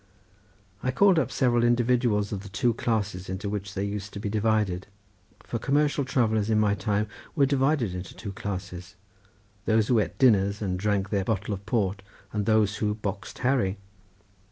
I called up several individuals of the two classes into which they used to be divided, for commercial travellers in my time were divided into two classes, those who ate dinners and drank their bottle of port, and those who "boxed Harry."